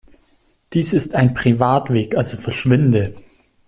Dies ist ein Privatweg, also verschwinde!